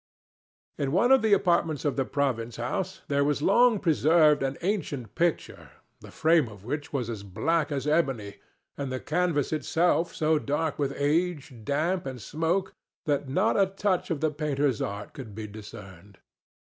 In one of the apartments of the province house there was long preserved an ancient picture the frame of which was as black as ebony, and the canvas itself so dark with age, damp and smoke that not a touch of the painter's art could be discerned.